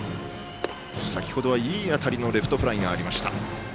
先ほどはいい当たりのレフトフライがありました。